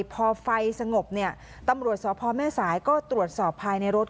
พอไฟสงบเนี่ยตำรวจสพแม่สายก็ตรวจสอบภายในรถ